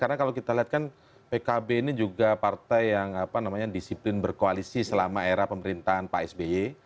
karena kalau kita lihat kan pkb ini juga partai yang disiplin berkoalisi selama era pemerintahan pak sby